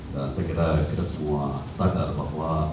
dan saya kira kita semua sadar bahwa